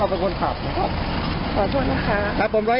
แล้วใบสั่งแหละไม่เอาใบสั่งเป็นไร